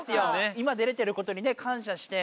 今出れてることにね感謝して。